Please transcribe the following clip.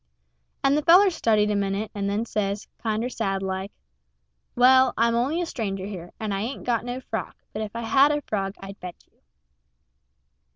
And the feller studied a minute, and then says, kinder sad like, "Well, I'm only a stranger here, and I ain't got no frog; but if I had a frog I'd bet you."